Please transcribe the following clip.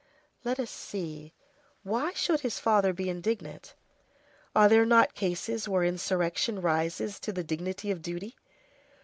Let us see, why should his father be indignant? Are there not cases where insurrection rises to the dignity of duty?